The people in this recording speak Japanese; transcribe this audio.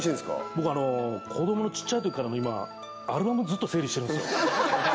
僕子どものちっちゃいときからの今アルバムをずっと整理してるんすよ